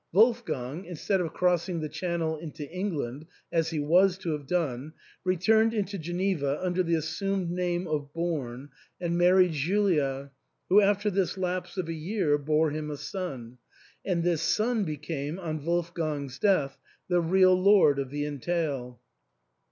Wolfgang, instead of crossing the Channel into England, as he was to have done, returned into Geneva under the assumed name of Born, and married Julia, who after the lapse of a year bore him a son, and this son became on Wolf gang's death the real lord of the entail.